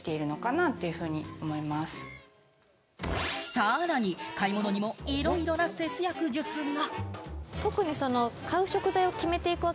さらに買い物にもいろいろな節約術が。